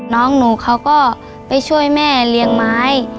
น้องหนูเขาก็ไปช่วยแม่เลี้ยงไม้